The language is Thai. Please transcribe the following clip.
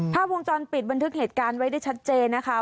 ภาพวงจรปิดบันทึกเหตุการณ์ไว้ได้ชัดเจนนะคะ